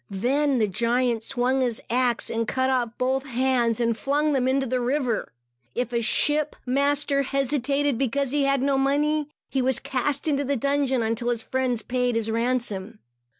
Then the giant swung his axe and cut off both hands, and flung them into the river. If a ship master hesitated, because he had no money, he was cast into a dungeon, until his friends paid his ransom.